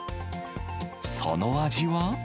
その味は。